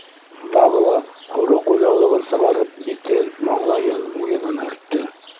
Тағы ла һоро ҡулъяулығын сығарып битен, маңлайын, муйынын һөрттө.